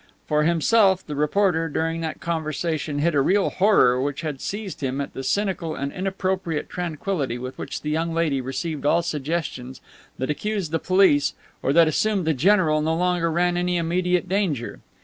For himself, the reporter during that conversation hid a real horror which had seized him at the cynical and inappropriate tranquillity with which the young lady received all suggestions that accused the police or that assumed the general no longer ran any immediate danger.